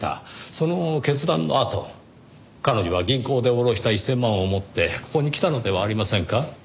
その決断のあと彼女は銀行で下ろした１０００万を持ってここに来たのではありませんか？